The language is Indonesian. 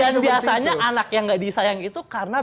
biasanya anak yang gak disayang itu karena